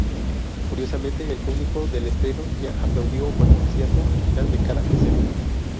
Curiosamente, "el público del estreno ya aplaudió con entusiasmo al final de cada escena".